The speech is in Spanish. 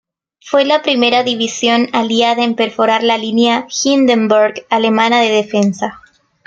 Fue la primera división aliada en perforar la línea Hindenburg alemana de defensa.